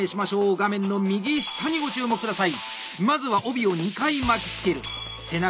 画面の右下にご注目ください。